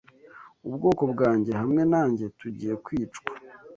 ubwoko bwanjye hamwe nanjye tugiye kwicwa